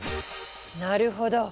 なるほど！